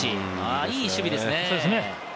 いい守備ですね。